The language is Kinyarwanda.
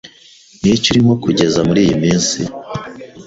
Niki urimo kugeza muriyi minsi?